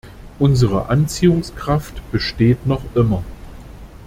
Unsere Anziehungskraft besteht noch immer.